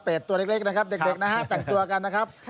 ตัวเล็กนะครับเด็กนะฮะแต่งตัวกันนะครับ